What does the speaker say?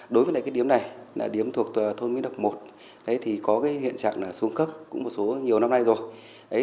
đối với đại xã việt hùng này điếm thuộc thôn minh độc một thì có hiện trạng xuống cấp cũng một số nhiều năm nay rồi